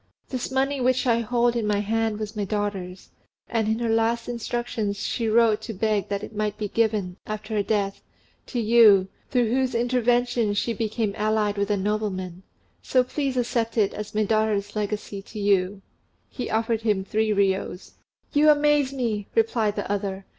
This money which I hold in my hand was my daughter's; and in her last instructions she wrote to beg that it might be given, after her death, to you, through whose intervention she became allied with a nobleman: so please accept it as my daughter's legacy to you;" and as he spoke, he offered him three riyos. "You amaze me!" replied the other.